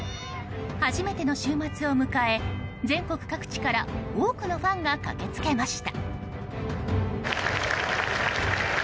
初めての週末を迎え全国各地から多くのファンが駆け付けました。